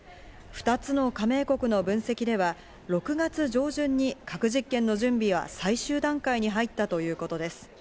２つの加盟国の分析では、６月上旬に核実験の準備は最終段階に入ったということです。